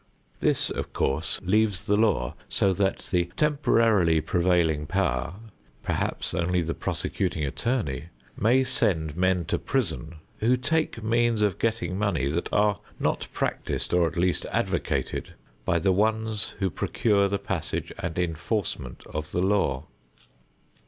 This, of course, leaves the law so that the temporarily prevailing power, perhaps only the prosecuting attorney, may send men to prison who take means of getting money that are not practiced or at least advocated by the ones who procure the passage and enforcement of the law.